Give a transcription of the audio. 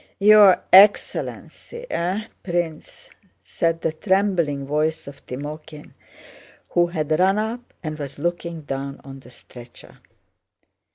"Your excellency! Eh, Prince!" said the trembling voice of Timókhin, who had run up and was looking down on the stretcher.